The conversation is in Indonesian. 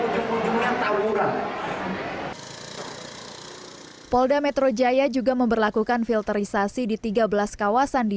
ujung ujungnya taburan polda metro jaya juga memperlakukan filterisasi di tiga belas kawasan di